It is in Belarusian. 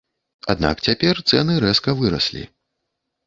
Аднак цяпер цэны рэзка выраслі.